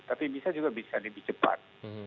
tapi bisa juga bisa lebih cepat